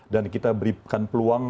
dan kita berikan peluang